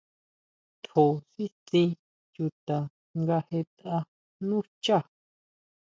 Tjó sitsín chuta nga jetʼa nú xchá.